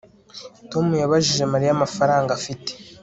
Tom yabajije Mariya amafaranga afite